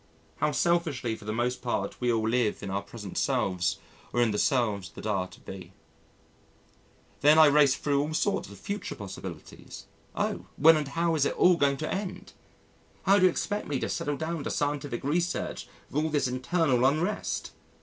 How selfishly for the most part we all live in our present selves or in the selves that are to be. Then I raced thro' all sorts of future possibilities oh! when and how is it all going to end? How do you expect me to settle down to scientific research with all this internal unrest!